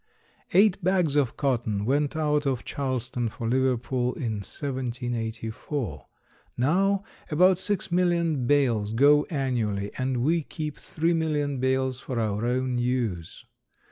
Eight bags of cotton went out of Charleston for Liverpool in 1784. Now about six million bales go annually, and we keep three million bales for our own use.